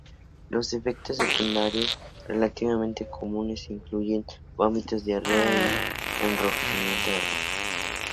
Los efectos secundarios relativamente comunes incluyen vómitos, diarrea y enrojecimiento de la piel.